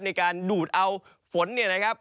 ในการดูดเอาฝนเนี่ยนะครับ